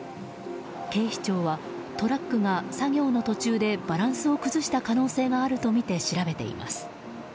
警視庁はトラックが作業の途中でバランスを崩した可能性があるとみて調べています。